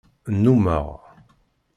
Nnummeɣ.